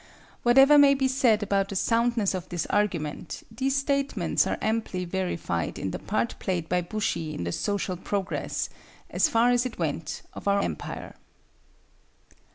Whatever may be said about the soundness of his argument, these statements are amply verified in the part played by bushi in the social progress, as far as it went, of our Empire.